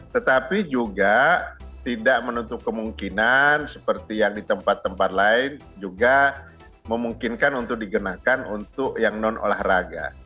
tetapi juga tidak menutup kemungkinan seperti yang di tempat tempat lain juga memungkinkan untuk digunakan untuk yang non olahraga